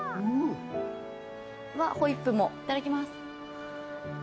わっホイップもいただきます。